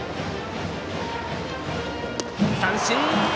三振！